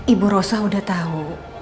ibu rosa udah tau